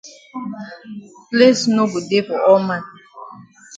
Place no go dey for all man.